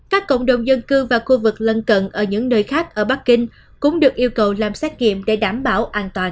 các cộng đồng dân cư và khu vực lân cận ở những nơi khác ở bắc kinh cũng được yêu cầu làm xét nghiệm để đảm bảo an toàn